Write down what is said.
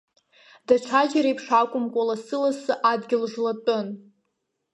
Даҽаџьара еиԥш акәымкәа, лассы-лассы адгьыл жлатәын.